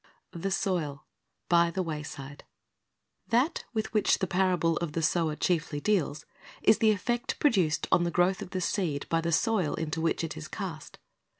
"^ THE SOIL — BY THE IV A Y S I D E That with which the parable of the sower chiefly deals i.s the effect produced on the growth of the seed by the soil into which it is cast.